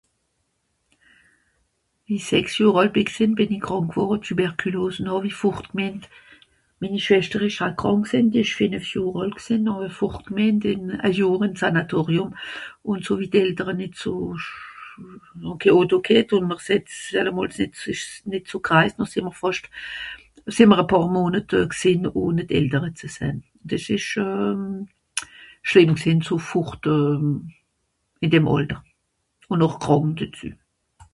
Quand j'avais 6 ans je suis tombée malade ,tuberculose, et ma soeur , 5ans malade aussi, j'ai dû partir 5 ans en sanatorium et comme les parents n'avaient pas de voiture et que ça ne guérissait pas vraiment Je suis restée plusieurs mois sans voir mes parents et çà c'était grave à cet âge